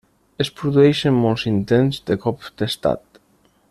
Es produeixen molts intents de cop d'estat.